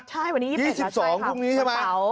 ใช่วันนี้๑๘ครับใช่ต่อแสงเปล่า๒๒พรุ่งนี้ใช่ไหม